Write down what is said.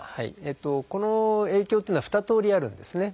この影響っていうのは二通りあるんですね。